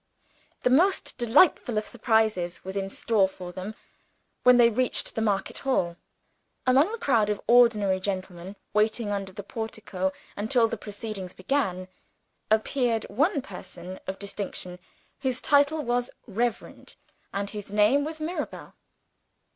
The most delightful of surprises was in store for them, when they reached the market hall. Among the crowd of ordinary gentlemen, waiting under the portico until the proceedings began, appeared one person of distinction, whose title was "Reverend," and whose name was Mirabel.